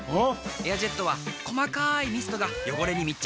エアジェットは細かいミストが汚れに密着！